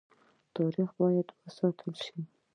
تاریخ باید وساتل شي